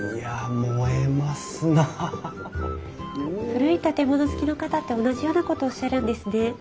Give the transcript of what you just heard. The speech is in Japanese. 古い建物好きの方って同じようなことおっしゃるんですね。